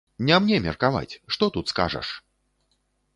Не мне меркаваць, што тут скажаш?!.